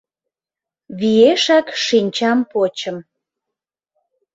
Виешак шинчам почым.